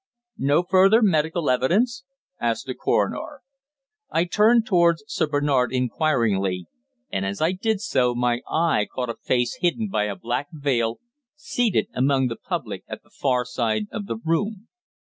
"No further medical evidence?" asked the coroner. I turned towards Sir Bernard inquiringly, and as I did so my eye caught a face hidden by a black veil, seated among the public at the far side of the room.